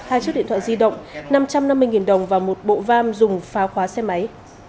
hai chiếc điện thoại di động năm trăm năm mươi đồng và một bộ vam dùng phá khóa xe máy